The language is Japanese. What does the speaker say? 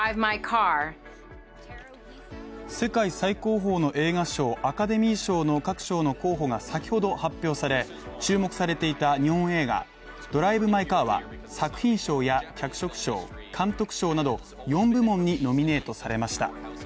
世界最高峰の映画賞、アカデミー賞の各候補が先ほど公開され、注目されていた日本映画「ドライブ・マイ・カー」は作品賞や、脚色賞、監督賞など４部門にノミネートされました。